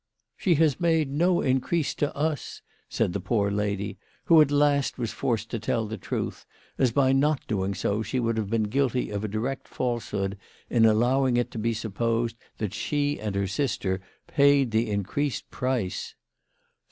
" She has made no increase to us," said the poor lady, who at last was forced to tell the truth, as by not doing so she would have been guilty of a direct false hood in allowing it to be supposed that she and her sister paid 'the increased price.